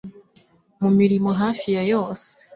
mu mirimo hafi ya yose